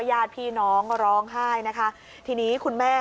สวัสดีครับสวัสดีครับ